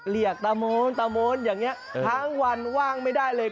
ตะโมนตะโมนอย่างนี้ทั้งวันว่างไม่ได้เลย